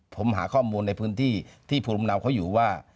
ผมหาข้อมูลในพื้นที่ที่ภูมิลำเนาเขาอยู่ว่า